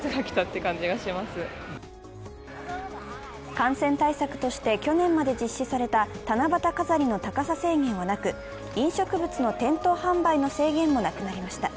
感染対策として去年まで実施された七夕飾りの高さ制限はなく、飲食物の店頭販売の制限もなくなりました。